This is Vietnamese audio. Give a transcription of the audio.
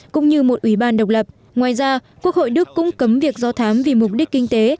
cũng như một ủy ban độc lập ngoài ra quốc hội đức cũng cấm việc do thám vì mục đích kinh tế